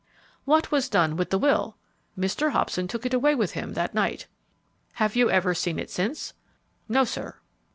"What was done with the will?" "Mr. Hobson took it away with him that night." "Have you ever seen it since?" "No, sir."